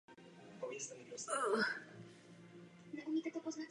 Původně byl kilogram jednotkou síly.